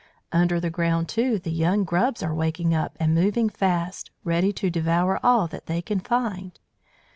Under the ground, too, the young grubs are waking up and moving fast, ready to devour all that they can find.